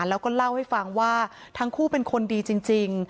แล้วก็เล่าให้ฟังว่าทั้งคู่เป็นคนดีจริง